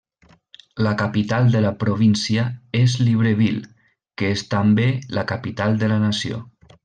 La capital de la província és Libreville, que és també la capital de la nació.